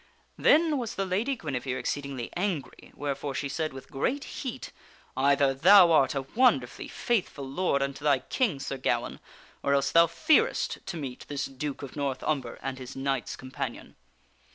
Then was the Lady Guinevere exceedingly angry, wherefore she said with great heat :" Either thou art a wonderfully faithful lord unto thy King, Sir Gawaine, or else thou fearest to meet this Duke of North Umber and his knights companion."